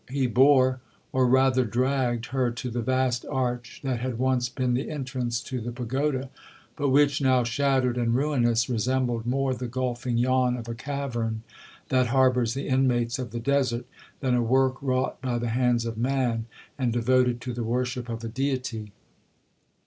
He bore, or rather dragged, her to the vast arch that had once been the entrance to the pagoda, but which, now shattered and ruinous, resembled more the gulphing yawn of a cavern that harbours the inmates of the desert, than a work wrought by the hands of man, and devoted to the worship of a deity.